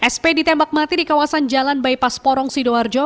sp ditembak mati di kawasan jalan bypass porong sidoarjo